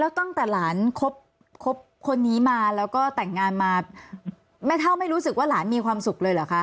แล้วตั้งแต่หลานคบคนนี้มาแล้วก็แต่งงานมาแม่เท่าไม่รู้สึกว่าหลานมีความสุขเลยเหรอคะ